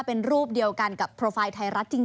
เป็นรูปเดียวกันกับโปรไฟล์ไทยรัฐจริง